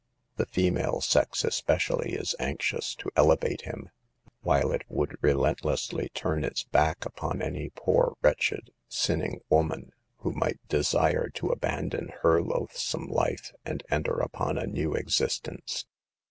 The female sex especially is anxious to elevate him, while it would relent lessly turn its back upon any poor, wretched, sinning woman, who might desire to abandon her loathsome life and enter upon a new exist ence.